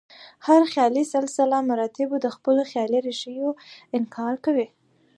هر خیالي سلسله مراتبو د خپلو خیالي ریښو انکار کوي.